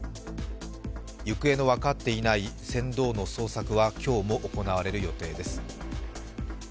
行方の分かっていない船頭の捜索は今日も行われる予定です。